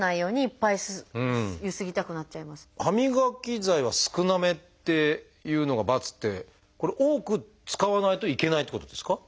「歯磨き剤は少なめ」というのが「×」ってこれ多く使わないといけないってことですか？